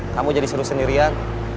kamu jadi seru sendirian